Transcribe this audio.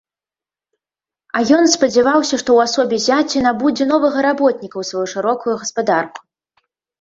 А ён спадзяваўся, што ў асобе зяця набудзе новага работніка ў сваю шырокую гаспадарку.